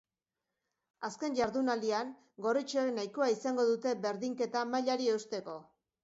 Azken jardunaldian, gorritxoek nahikoa izango dute berdinketa mailari eusteko.